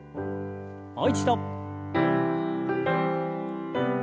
もう一度。